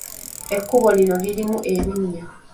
Ekkubo lino lirimu ebinnya.